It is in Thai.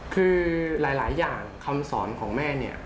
คือหลายอย่างคำสอนของแม่เนี่ย